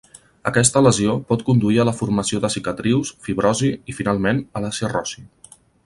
Aquesta lesió pot conduir a la formació de cicatrius, fibrosi i, finalment, a la cirrosi.